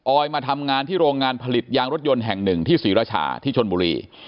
อยมาทำงานที่โรงงานผลิตยางรถยนต์แห่งหนึ่งที่ศรีราชาที่ชนบุรี